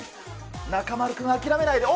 中丸君、諦めないで。